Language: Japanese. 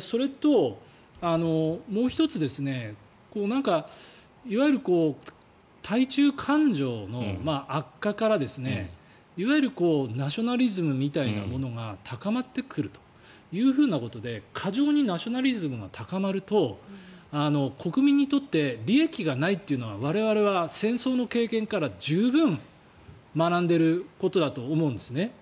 それともう１ついわゆる対中感情の悪化からいわゆるナショナリズムみたいなものが高まってくるということで過剰にナショナリズムが高まると国民にとって利益がないというのが我々は戦争の経験から十分学んでいることだと思うんですね。